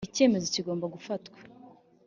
icyemezo kigomba gufatwa